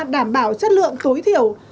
đảm bảo chất lượng tối thiểu